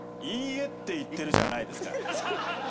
「いいえ」って言ってるじゃないですか。